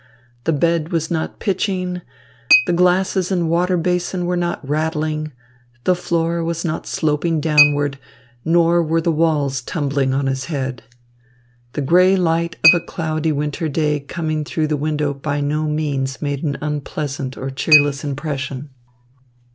The bed was not pitching, the glasses and water basin were not rattling, the floor was not sloping downward, nor were the walls tumbling on his head. The grey light of a cloudy winter day coming through the window by no means made an unpleasant or cheerless impression.